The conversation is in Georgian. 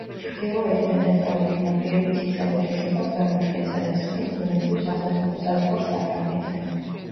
ჩრდილოეთი და დასავლეთი ნაპირები ციცაბოდ ეშვება ქვემოთკენ, სადაც ქმნის ბუნებრივ სახელმწიფო საზღვარს საფრანგეთთან.